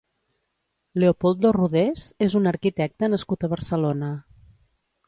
Leopoldo Rodés és un arquitecte nascut a Barcelona.